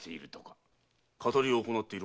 騙りを行っている者は？